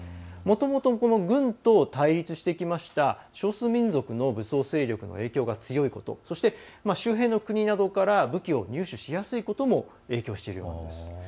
もともと軍と対立してきました少数民族の武装勢力の影響が強いことそして周辺の国から武器を入手しやすいことも影響しているようなんです。